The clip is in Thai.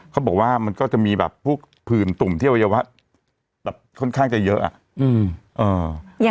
เขาบอกว่ามันก็จะมีแบบพวกผื่นตุ่มที่อวัยวะแบบค่อนข้างจะเยอะอะ